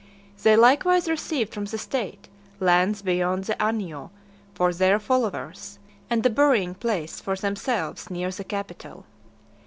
They likewise received from the state, lands beyond the Anio for their followers, and a burying place for themselves near the capitol .